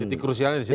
jadi krusialnya disitu